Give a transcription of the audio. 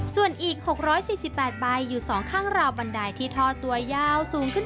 ส่วนอีก๖๔๘ใบอยู่สองข้างราวบันไดที่ทอตัวยาว